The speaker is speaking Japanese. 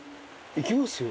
行きますよ。